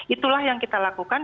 itulah yang kita lakukan